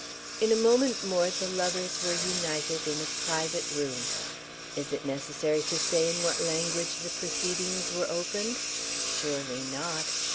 In a moment more the lovers were united in a private room. Is it necessary to say in what language the proceedings were opened? Surely not!